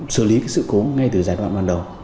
sử lý cái sự cố ngay từ giải đoạn ban đầu